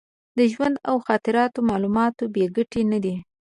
د ژوند او خاطراتو معلومات بې ګټې نه دي.